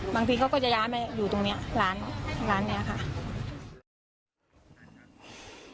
บางทีเขาก็จะย้านไปอยู่ตรงเนี้ยร้านร้านเนี้ยค่ะ